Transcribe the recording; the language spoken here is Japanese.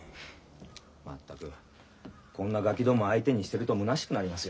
全くこんなガキども相手にしてるとむなしくなりますよ。